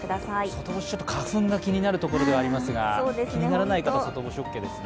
外干し、ちょっと花粉が気になるところではありますが、気にならない方、外干しオーケーですね。